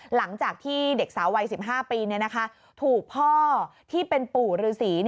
หลังจากที่เด็กสาววัย๑๕ปีถูกพ่อที่เป็นปู่ฤษี